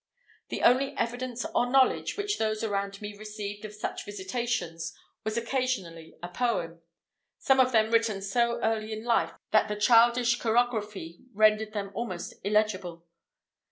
The only evidence or knowledge which those around me received of such visitations was occasionally a poem some of them written so early in life, that the childish chirography rendered them almost illegible.